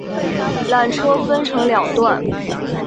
缆车分成两段